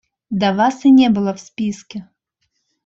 Да Вас и не было в списке.